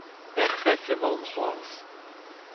Er c'hef emaon c'hoazh.